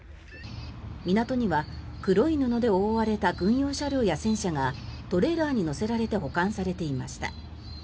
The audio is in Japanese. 港には黒い布で覆われた軍用車両や戦車がトレーラーに載せられて保管されていました。